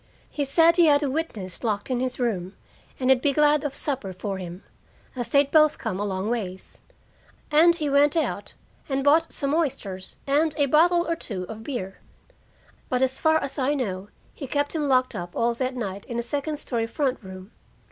He said he had a witness locked in his room, and he'd be glad of supper for him, as they'd both come a long ways. And he went out and bought some oysters and a bottle or two of beer. But as far as I know, he kept him locked up all that night in the second story front room.